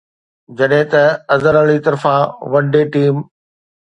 جڏهن ته اظهر علي طرفان ون ڊي ٽيم